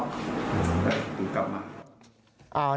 กลับมา